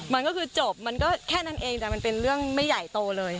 มันก็คือจบมันก็แค่นั้นเองแต่มันเป็นเรื่องไม่ใหญ่โตเลย